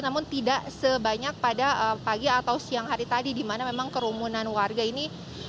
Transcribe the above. namun tidak sebanyak pada pagi atau siang hari tadi di mana memang kerumunan warga ini